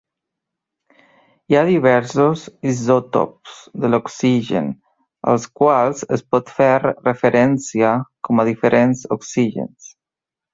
Hi ha diversos isòtops de l'oxigen, als quals es pot fer referència com a diferents oxígens.